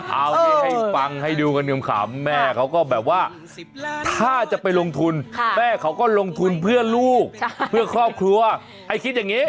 เอานี่ให้ฟังให้ดูกันขำแม่เขาก็แบบว่าถ้าจะไปลงทุนแม่เขาก็ลงทุนเพื่อลูกเพื่อครอบครัวให้คิดอย่างนี้